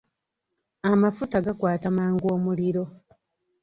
Amafuta gakwata mangu omuliro.